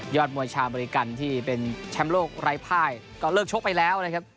มวยชาวอเมริกันที่เป็นแชมป์โลกไร้ภายก็เลิกชกไปแล้วนะครับ